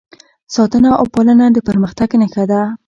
ساتنه او پالنه د پرمختګ نښه ده.